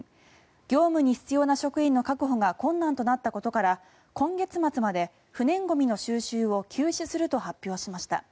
業務に必要な職員の確保が困難になったことから今月末まで不燃ゴミの収集を休止すると発表しました。